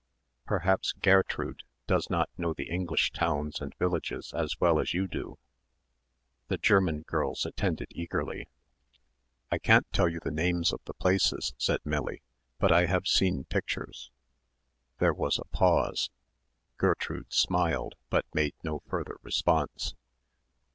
Perhaps Gairtrud does not know the English towns and villages as well as you do." The German girls attended eagerly. "I can't tell you the names of the places," said Millie, "but I have seen pictures." There was a pause. Gertrude smiled, but made no further response.